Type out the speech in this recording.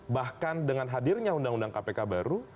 bahkan dengan hadirnya undang undang kpk baru